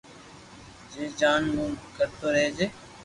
جي جان مون ڪرتو رھجي